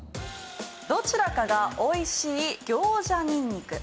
どちらかがおいしいギョウジャニンニク。